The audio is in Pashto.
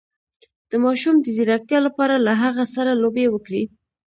د ماشوم د ځیرکتیا لپاره له هغه سره لوبې وکړئ